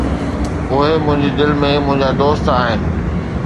اهي منهنجي دل ۾ منهنجا دوست آهن